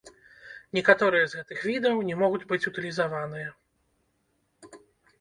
Некаторыя з гэтых відаў не могуць быць утылізаваныя.